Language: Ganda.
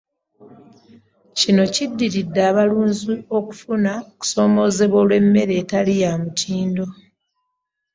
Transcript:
Kino kiddiridde abalunzi okufuna okusoomoozebwa olw'emmere etali ya mutindo.